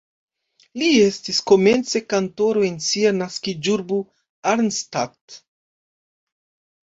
Li estis komence kantoro en sia naskiĝurbo Arnstadt.